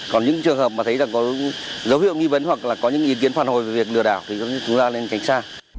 còn những trường hợp mà thấy có dấu hiệu nghi vấn hoặc là có những ý kiến phản hồi về việc lừa đảo thì chúng ta nên tránh xa